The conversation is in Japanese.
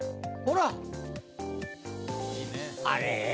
あれ？